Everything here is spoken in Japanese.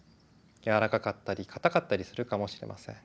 やわらかかったり硬かったりするかもしれません。